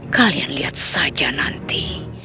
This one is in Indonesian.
kalian lihat saja nanti